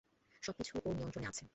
সবকিছু ওর নিয়ন্ত্রণে আছে।